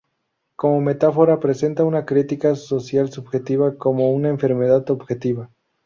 Como metáfora, presenta una crítica social subjetiva como una enfermedad objetiva.